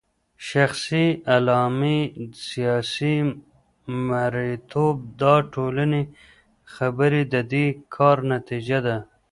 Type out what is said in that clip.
شخصي غلامې ، سياسي مريتوب داټولي خبري ددي كار نتيجه ده